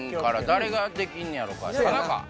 誰ができんねやろか田中？